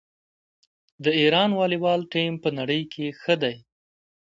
د ایران والیبال ټیم په نړۍ کې ښه دی.